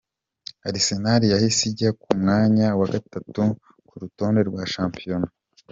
Arsenal yahise ijya ku mwanya wa gatatu ku rutonde rwa shampiyona.